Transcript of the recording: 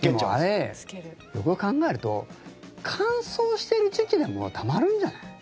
よくよく考えると乾燥してる時期でもたまるんじゃない？